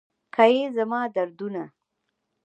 که یې زما دردونه